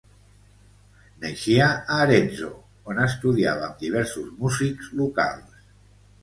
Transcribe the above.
Naixia a Arezzo, on estudiava amb diversos músics locals.